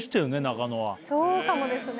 そうかもですね。